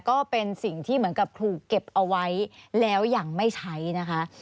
ก็เป็นสิ่งที่เหมือนกับถูกเก็บเอาไว้แล้วยังไม่ใช้นะคะ